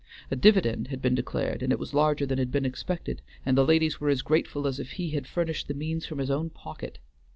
A dividend had been declared, and it was larger than had been expected, and the ladies were as grateful as if he had furnished the means from his own pocket.